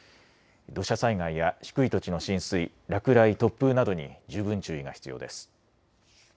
土砂災害や低い土地の浸水、落雷、突風などに十分注意が必要です。